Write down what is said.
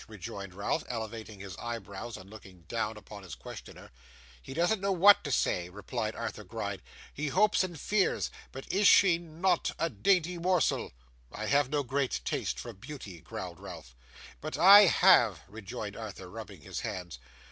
rejoined Ralph, elevating his eyebrows and looking down upon his questioner. 'He doesn't know what to say,' replied Arthur Gride. 'He hopes and fears. But is she not a dainty morsel?' 'I have no great taste for beauty,' growled Ralph. 'But I have,' rejoined Arthur, rubbing his hands.